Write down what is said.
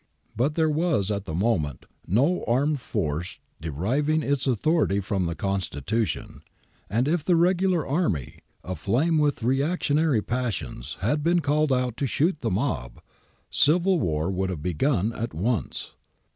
But there was at the moment no armed force deriving its authority from the Constitution, and if the regular army, aflame with reactionary passions, had been called out to shoot the mob, civil war would have begun at once.